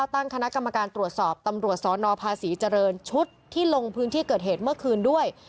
ตั้งคณะกรรมการตรวจสอบตำรวจสนภาษีเจริญชุดที่ลงพื้นที่เกิดเหตุเมื่อคืนด้วย